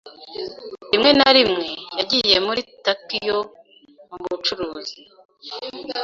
Rimwe na rimwe, yagiye muri Tokiyo mu bucuruzi.